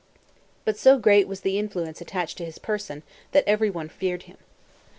But so great was the influence attached to his person, that everyone feared him.